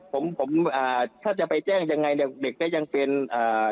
ผมผมอ่าถ้าจะไปแจ้งยังไงเนี่ยเด็กก็ยังเป็นอ่า